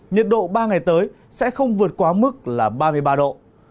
nhiệt độ ba ngày tới sẽ không vượt quá mức là ba mươi ba độ